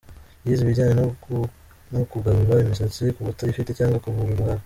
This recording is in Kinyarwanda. Yize ibijyanye no kugarura imisatsi kubatayifite cyangwa kuvura uruhara.